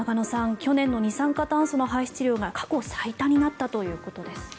去年の二酸化炭素の排出量が過去最多になったということです。